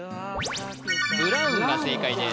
ブラウンが正解です